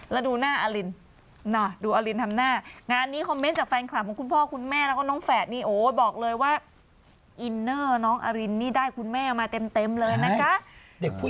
แล้วดูหน้าอลินดูอลินทำหน้างานนี้คอมเมนต์จากแฟนคลับของคุณพ่อคุณแม่แล้วก็น้องแฝดนี่โอ้บอกเลยว่าอินเนอร์น้องอรินนี่ได้คุณแม่มาเต็มเลยนะคะ